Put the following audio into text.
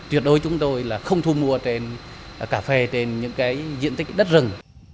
tuyệt đối chúng tôi không thu mua cà phê trên những diện tích đất rừng